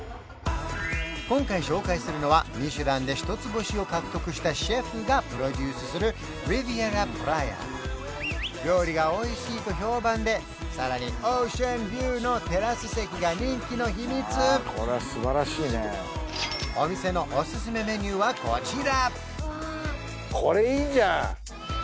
今回紹介するのはミシュランで一つ星を獲得したシェフがプロデュースするリヴィエラ・プラヤ料理がおいしいと評判でさらにオーシャンビューのテラス席が人気の秘密お店のおすすめメニューはこちらこれいいじゃん！